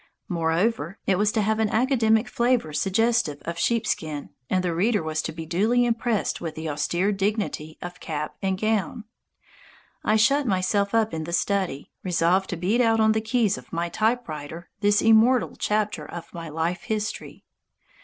Moreover, it was to have an academic flavour suggestive of sheepskin, and the reader was to be duly impressed with the austere dignity of cap and gown. I shut myself up in the study, resolved to beat out on the keys of my typewriter this immortal chapter of my life history.